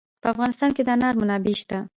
په افغانستان کې د انار منابع شته.